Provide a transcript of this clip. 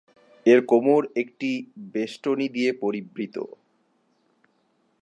এর কোমর একটি বেষ্টনী দিয়ে পরিবৃত।